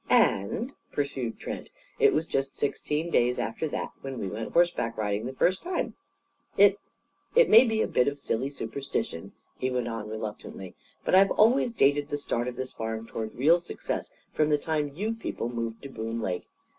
"And," pursued Trent, "it was just sixteen days after that when we went horseback riding the first time. It it may be a bit of silly superstition," he went on reluctantly, "but I've always dated the start of this farm toward real success from the time you people moved to Boone Lake.